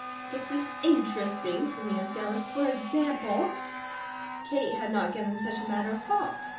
"This is interesting," said Nancy Ellen. "For example ?" Kate had not given such a matter a thought.